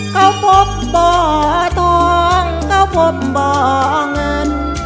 เขาพบบ่อทองเขาพบบ่อเงิน